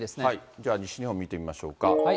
じゃあ、西日本見てみましょうか。